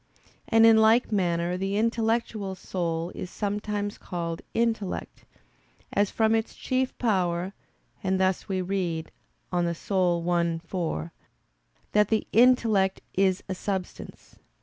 And in like manner the intellectual soul is sometimes called intellect, as from its chief power; and thus we read (De Anima i, 4), that the "intellect is a substance."